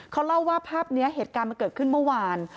เขาเล่าว่าภาพนี้เหตุการณ์มันเกิดขึ้นเมื่อวาน